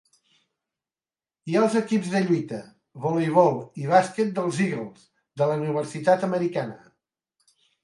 Hi ha els equips de lluita, voleibol i bàsquet dels Eagles de la Universitat Americana.